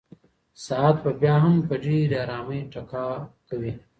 ساعت به بیا هم په ډېرې ارامۍ ټکا کوي.